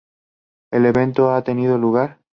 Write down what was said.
El evento ha tenido lugar.